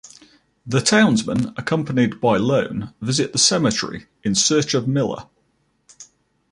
The townsmen, accompanied by Ione, visit the cemetery in search of Miller.